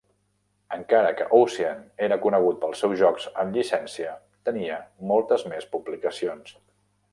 Encara que Ocean era conegut pels seus jocs amb llicència, tenia moltes més publicacions.